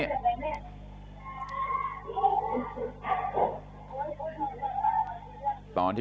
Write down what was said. ตอนที่เขาได้ยินเสียงนะครับ